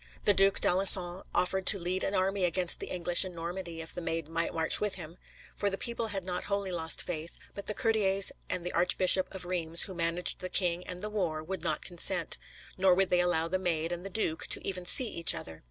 The Duc d'Alençon offered to lead an army against the English in Normandy, if the Maid might march with him, for the people had not wholly lost faith, but the courtiers and the Archbishop of Reims, who managed the king and the war, would not consent, nor would they allow the Maid and the duke to even see each other.